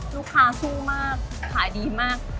ลูกค้าสู้มากขายดีมาก